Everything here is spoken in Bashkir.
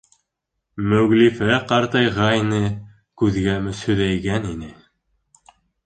Мөғлифә ҡартайғайны, күҙгә мөсһөҙәйгән ине.